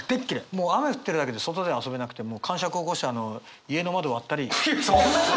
もう雨降ってるだけで外で遊べなくてもうかんしゃく起こしてあの家の窓割ったり。